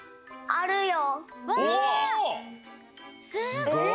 すごい！